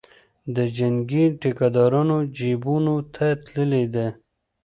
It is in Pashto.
د جنګي ټیکدارانو جیبونو ته تللې ده.